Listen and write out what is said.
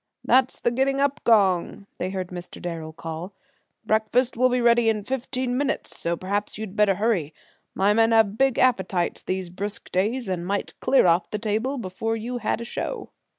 "That's the getting up gong!" they heard Mr. Darrel call. "Breakfast will be ready in fifteen minutes, so perhaps you'd better hurry. My men have big appetites these brisk days, and might clear off the table before you had a show."